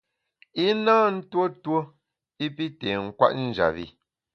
I na ntuo tuo i pi té nkwet njap bi.